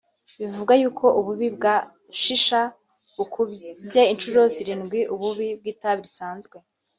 Bivugwa yuko ububi bwa shisha bukubye incuro zirindwi ububi bw’itabi risanzwe